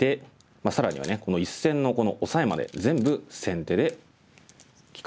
更にはこの１線のオサエまで全部先手で利かすことができます。